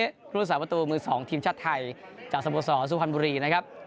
ครูสามารตู๑๒ทีมชาติไทยจากสมสอสสุพรรณบุรีนะครับ